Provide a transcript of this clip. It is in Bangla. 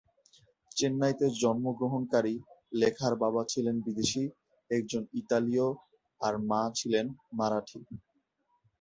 চেন্নাইতে জন্মগ্রহণকারী লেখার বাবা ছিলেন বিদেশী, একজন ইতালীয় আর মা ছিলেন মারাঠি।